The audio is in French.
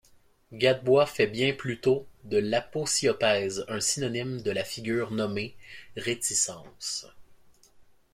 Gadbois fait bien plutôt de l’aposiopèse un synonyme de la figure nommée réticence.